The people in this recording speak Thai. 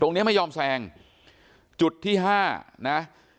เนี้ยไม่ยอมแซงจุดที่ห้านะ